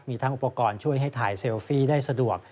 มีทั้งอุปกรณ์ช่วยให้ถ่ายเซลฟี่ได้สะดวก